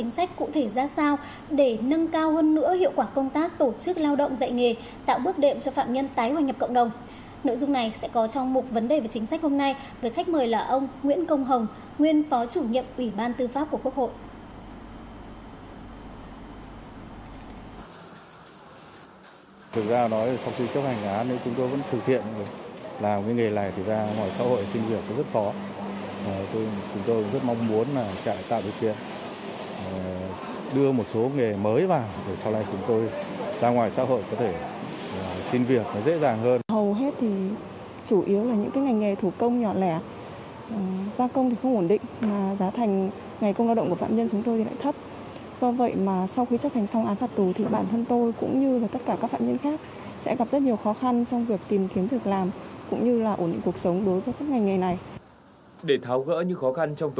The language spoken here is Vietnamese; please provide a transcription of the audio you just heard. xin chào các bạn